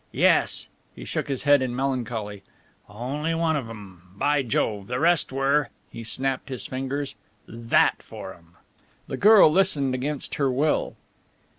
Yes," he shook his head in melancholy, "only one of 'em. By Jove! The rest were" he snapped his fingers "that for 'em!" The girl listened against her will.